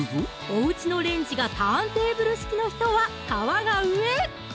おうちのレンジがターンテーブル式の人は皮が上！